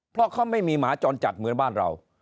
เพราะเขาไม่มีหมาจรจัดเหมือนบ้านเรา